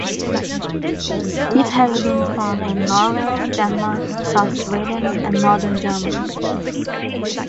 It has been found in Norway, Denmark, South Sweden, and Northern Germany.